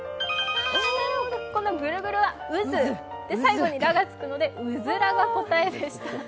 このぐるぐるはうず最後にらがつくのでうずらが答えでした。